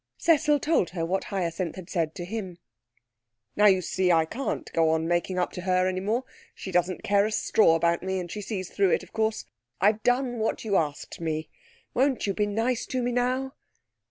Cecil told her what Hyacinth had said to him. 'Now, you see, I can't go on making up to her any more. She doesn't care a straw about me, and she sees through it, of course. I've done what you asked me. Won't you be nice to me now?'